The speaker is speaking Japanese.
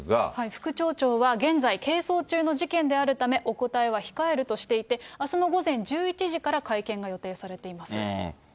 副町長は、現在、係争中の事件であるため、お答えは控えるとしていて、あすの午前１１時から会見が予定されています。